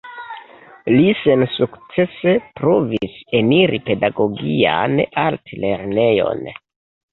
Li sensukcese provis eniri Pedagogian Altlernejon.